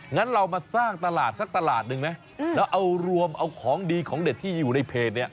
งั้นเรามาสร้างตลาดสักตลาดหนึ่งไหมแล้วเอารวมเอาของดีของเด็ดที่อยู่ในเพจเนี่ย